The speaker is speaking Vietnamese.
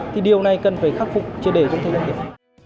thì điều này cần phải khắc phục chứa đề không thể đạt được